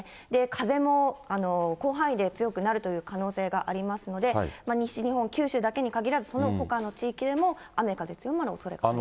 風も広範囲で強くなるという可能性がありますので、西日本、九州だけに限らず、そのほかの地域でも、雨風強まるおそれがあり